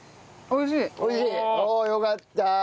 おおよかった。